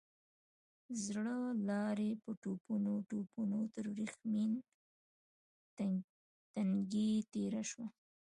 زړه لارۍ په ټوپونو ټوپونو تر ورېښمين تنګي تېره شوه.